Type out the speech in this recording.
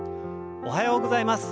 おはようございます。